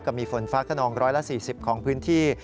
มีฝนฟ้าขนอง๑๔๐ของพื้นที่